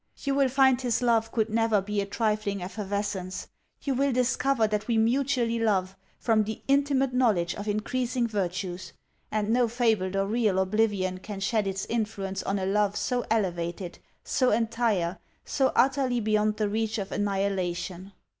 You will find his love could never be a trifling effervescence; you will discover that we mutually love, from the intimate knowledge of increasing virtues; and no fabled or real oblivion can shed its influence on a love so elevated, so entire, so utterly beyond the reach of annihilation.